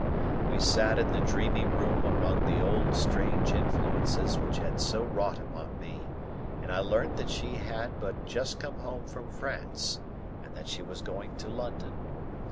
We sat in the dreamy room among the old strange influences which had so wrought upon me, and I learnt that she had but just come home from France, and that she was going to London.